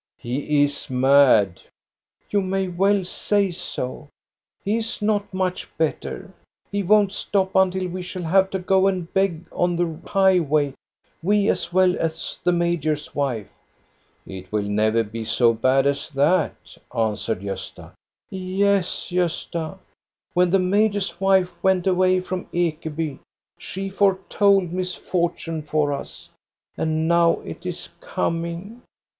•* He is mad." "You may well say so. He is not much better. He won't stop until we shall have to go and beg on the highway, we as well as the major's wife." " It will never be so bad as that," answered Gosta. "Yes, Gosta. When the major's wife went away from Ekeby, she foretold misfortune for us, and now it is coming.